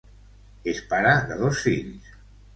Es pare de dos fills.